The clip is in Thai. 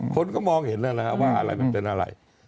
คนเขามองเห็นนั่นนะนะว่าเป็นอะไร